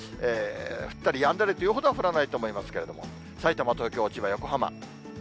降ったりやんだりというほどは降らないとは思いますけれども、さいたま、東京、千葉、横浜。